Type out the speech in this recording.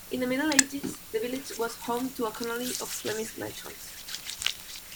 In the Middle Ages, the village was home to a colony of Flemish merchants.